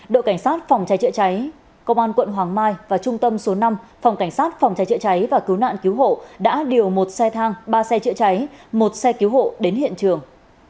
đội cảnh sát phòng cháy chữa cháy công an quận hoàng mai và trung tâm số năm phòng cảnh sát phòng cháy chữa cháy và cứu nạn cứu hộ đã điều một xe thang ba xe chữa cháy một xe cứu hộ đến hiện trường